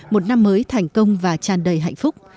một năm mới thành công và tràn đầy hạnh phúc